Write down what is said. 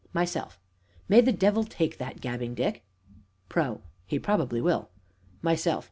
MYSELF. May the devil take that "Gabbing Dick"! PRO. He probably will. MYSELF.